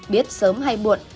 biết sớm hay muộn